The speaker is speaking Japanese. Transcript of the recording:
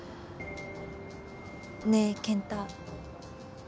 ねえ健太。